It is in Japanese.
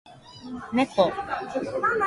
猫